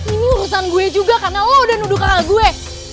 ini urusan gue juga karena lo udah nuduh kalah gue